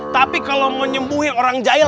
tapi kalau mau nyembuhi orang jahil